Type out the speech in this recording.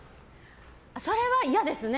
それは嫌ですね。